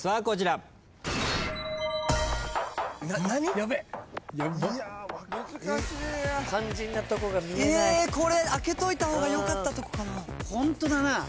これ開けといた方がよかったとこかな？